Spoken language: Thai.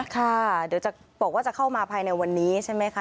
ค่ะเดี๋ยวจะบอกว่าจะเข้ามาภายในวันนี้ใช่ไหมคะ